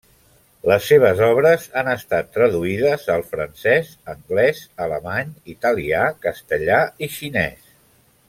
Les seves obres han estat traduïdes al francès, anglès, alemany, italià, castellà i xinès.